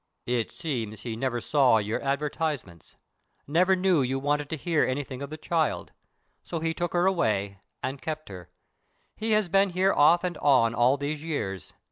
"It seems he never saw your advertisements, never knew you wanted to hear anything of the child, so he took her away and kept her. He has been here off and on all these years.